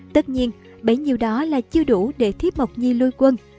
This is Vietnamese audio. tất nhiên bấy nhiêu đó là chưa đủ để thiếp mộc nhi lôi quân